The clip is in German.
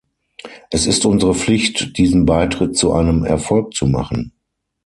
Es ist unsere Pflicht, diesen Beitritt zu einem Erfolg zu machen.